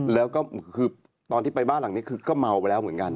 แล้วก็คือตอนที่ไปบ้านหลังนี้คือก็เมาไปแล้วเหมือนกัน